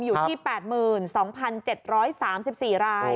อยู่ที่๘๒๗๓๔ราย